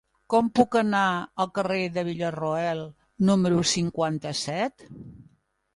Com puc anar al carrer de Villarroel número cinquanta-set?